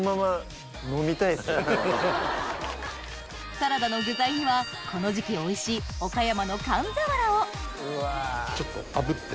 サラダの具材にはこの時期おいしい岡山の寒鰆をちょっとあぶって。